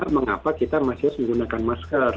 mengapa kita masih harus menggunakan masker